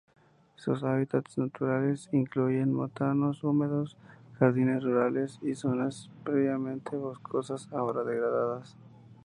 Sus hábitats naturales incluyen montanos húmedos, jardines rurales y zonas previamente boscosas ahora degradadas.